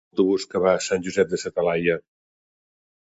Quines parades fa l'autobús que va a Sant Josep de sa Talaia?